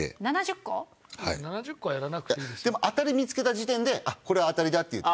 でもあたり見つけた時点で「あっこれはあたりだ」って言って。